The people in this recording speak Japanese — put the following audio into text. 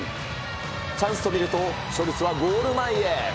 チャンスと見ると、ショルツはゴール前へ。